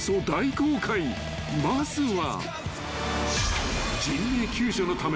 ［まずは］